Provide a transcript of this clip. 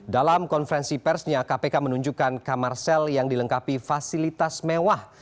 dalam konferensi persnya kpk menunjukkan kamar sel yang dilengkapi fasilitas mewah